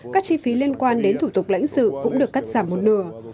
các chi phí liên quan đến thủ tục lãnh sự cũng được cắt giảm một nửa